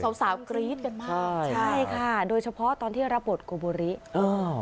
สาวสาวกรี๊ดกันมากใช่ค่ะโดยเฉพาะตอนที่รับบทโกโบริเออ